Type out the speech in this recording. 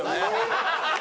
ハハハハ！